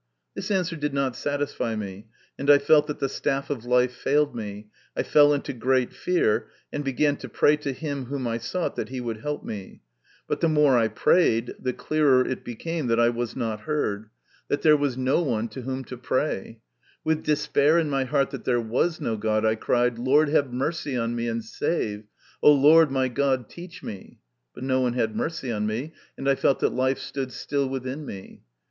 This answer did not satisfy me, and I felt that the staff of life failed me, I fell into great fear, and began to pray to Him whom I sought, that He would help me. But the more I prayed, the clearer it became that I was not heard, MY CONFESSION. Ill that there was no one to whom to pray. With despair in my heart that there was no God, I cried :" Lord, have mercy on me, and save ! O Lord, my God, teach me !" But no one had mercy on me, and I felt that life stood still within me.